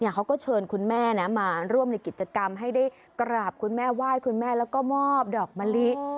เขาก็เชิญคุณแม่มาร่วมในกิจกรรมให้ได้กราบคุณแม่ไหว้คุณแม่แล้วก็มอบดอกมะลิ